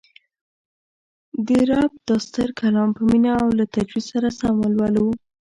د رب دا ستر کلام په مینه او له تجوید سره سم ولولو